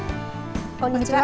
こんにちは。